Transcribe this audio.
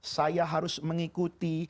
saya harus mengikuti